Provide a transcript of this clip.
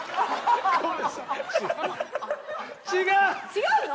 違うの？